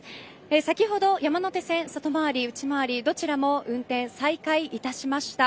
先ほど山手線外回り、内回りどちらも運転再開いたしました。